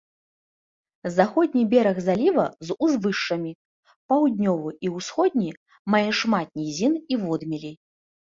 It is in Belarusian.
Заходні бераг заліва з узвышшамі, паўднёвы і ўсходні мае шмат нізін і водмелей.